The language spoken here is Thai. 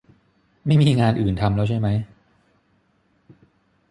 ไม่มีงานอื่นทำแล้วใช่มั้ย